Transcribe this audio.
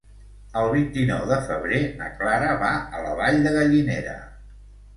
El vint-i-nou de febrer na Clara va a la Vall de Gallinera.